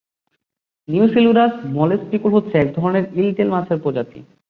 Neosilurus মলেসপিকুল হচ্ছে একধরনের ঈলটেল মাছের প্রজাতি।